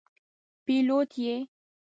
پیلوټ یې.